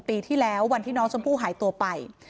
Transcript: ปีที่แล้ววันที่น้องชมพู่หายตัวไป